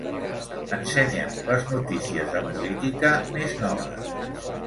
Ensenya'm les notícies de política més noves.